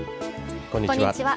こんにちは。